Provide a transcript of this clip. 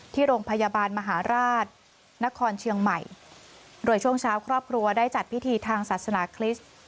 ที่โรงพยาบาลมหาราชนครเชียงใหม่โดยช่วงเช้าครอบครัวได้จัดพิธีทางศาสนาคริสต์